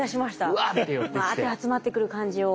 うわって集まってくる感じを。